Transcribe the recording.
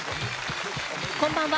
こんばんは。